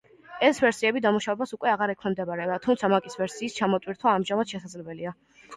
ეს ვერსიები დამუშავებას უკვე აღარ ექვემდებარება, თუმცა მაკის ვერსიის ჩამოტვირთვა ამჟამადაც შესაძლებელია.